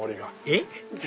えっ？